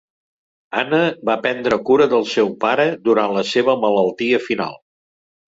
Anna va prendre cura del seu pare durant la seva malaltia final.